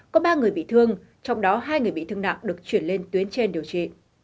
có ba người bị thương trong đó hai người bị thương nặng được chuyển lên tuyến trên điều trị